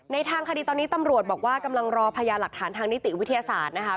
ทางคดีตอนนี้ตำรวจบอกว่ากำลังรอพยาหลักฐานทางนิติวิทยาศาสตร์นะคะ